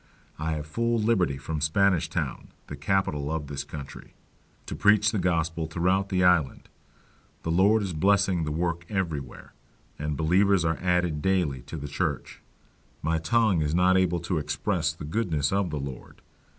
I have full liberty from Spanish Town, the capital of this country, to preach the Gospel throughout the Island: the Lord is blessing the work everywhere, and believers are added daily to the church. My tongue is not able to express the goodness of the Lord.